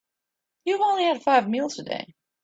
You've only had five meals today.